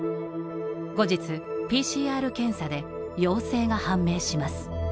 後日、ＰＣＲ検査で陽性が判明します。